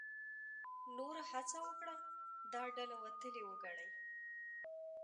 نورو هڅه وکړه دا ډله وتلې وګڼي.